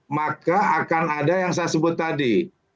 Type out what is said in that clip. maka akan ada yang saya sebut tadi